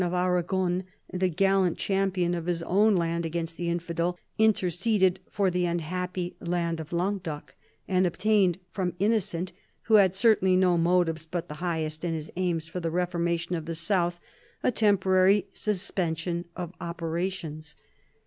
of Aragon, the gallant champion of his own land against the infidel, interceded for the unhappy land of Languedoc, and obtained from Innocent, who had certainly no motives but the highest in his aims for the reformation of the south, a temporary suspension of operations.